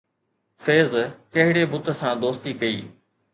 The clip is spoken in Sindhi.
فيض ڪهڙي بت سان دوستي ڪئي؟